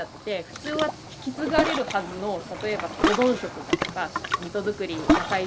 普通は引き継がれるはずの例えば保存食だとかみそ造り野菜作り